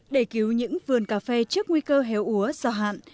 để cứu những vườn cà phê trước nguy cơ héo úa do hạn